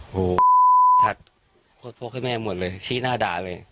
โหสัตว์โคตรโภคให้แม่หมดเลยชี้หน้าด่าเลย